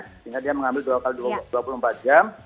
sehingga dia mengambil dua x dua puluh empat jam